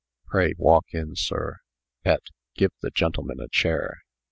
Pray, walk in, sir. Pet, give the gentleman a chair."